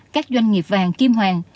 các doanh nghiệp vàng kim hoàng